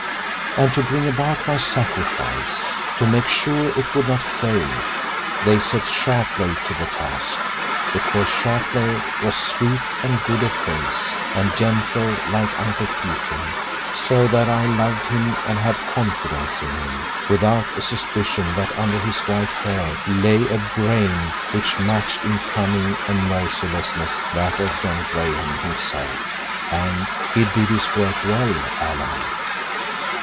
And to bring about my sacrifice, to make sure it would not fail, they set Sharpleigh to the task, because Sharpleigh was sweet and good of face, and gentle like Uncle Peter, so that I loved him and had confidence in him, without a suspicion that under his white hair lay a brain which matched in cunning and mercilessness that of John Graham himself. And he did his work well, Alan."